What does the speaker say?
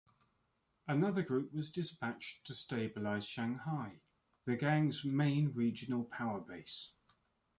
Another group was dispatched to stabilize Shanghai, the Gang's main regional power base.